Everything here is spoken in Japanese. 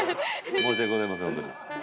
◆申し訳ございません、本当に。